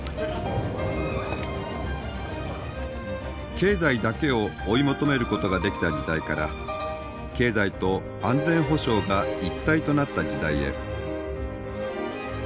経済だけを追い求めることができた時代から経済と安全保障が一体となった時代へ。